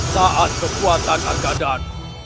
saat kekuatan agadan